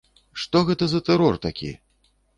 Што гэта за тэрор такі?